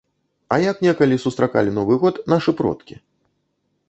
А як некалі сустракалі новы год нашы продкі?